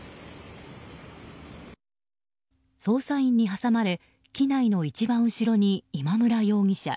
捜査員に挟まれ機内の一番後ろに今村容疑者。